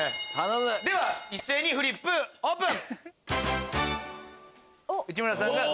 では一斉にフリップオープン！